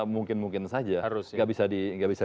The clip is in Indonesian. mungkin mungkin saja tidak bisa